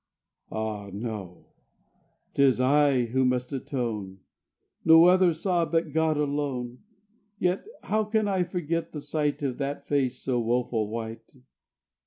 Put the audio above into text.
...' Ah no! 'Tis I who must atone. No other saw but God alone; Yet how can I forget the sight Of that face so woeful white!